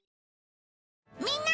みんな！